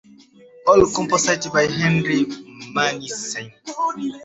All compositions by Henry Mancini